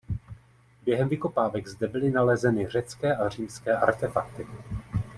Během vykopávek zde byly nalezeny řecké a římské artefakty.